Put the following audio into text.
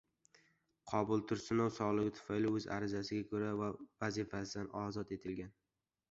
Qobul Tursunov sog‘lig‘i tufayli o‘z arizasiga ko‘ra vazifasidan ozod etilgan